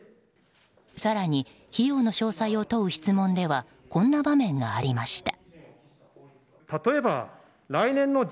更に、費用の詳細を問う質問ではこんな場面がありました。